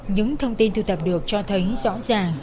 những thông tin thư tập được cho thấy rõ ràng